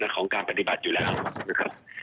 ของการปฏิบัติอยู่แล้วนะครับ